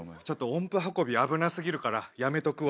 音符運び危な過ぎるからやめとくわ。